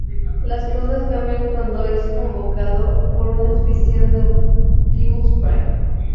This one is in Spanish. Las cosas cambian cuando es convocado por una visión de Optimus Prime.